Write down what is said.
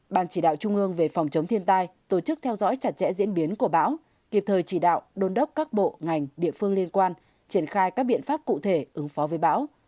ban chỉ đạo trung ương về phòng chống thiên tai tổ chức theo dõi chặt chẽ diễn biến của bão kịp thời chỉ đạo đôn đốc các bộ ngành địa phương liên quan triển khai các biện pháp cụ thể ứng phó với bão